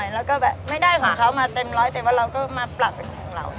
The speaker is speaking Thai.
แล้วก็แบบไม่ได้ของเขามาเต็มร้อยแต่ว่าเราก็มาปรับเป็นของเรา